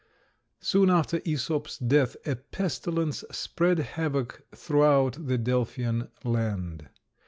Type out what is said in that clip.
Soon after Æsop's death a pestilence spread havoc throughout the Delphian land.